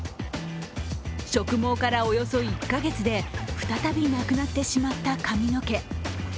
植毛からおよそ１カ月で、再びなくなってしまった髪の毛。